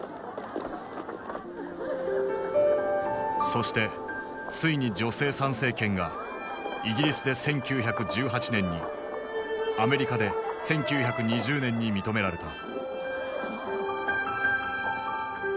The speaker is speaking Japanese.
そしてついに女性参政権がイギリスで１９１８年にアメリカで１９２０年に認められた。